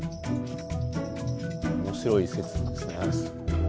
面白い説ですね。